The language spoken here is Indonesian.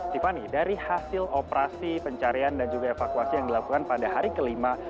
tiffany dari hasil operasi pencarian dan juga evakuasi yang dilakukan pada hari kelima